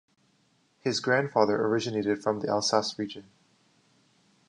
His grandfather originated from the Alsace region.